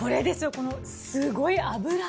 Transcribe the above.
このすごい脂！